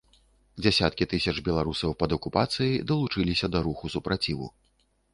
Дзясяткі тысяч беларусаў пад акупацыяй далучыліся да руху супраціву.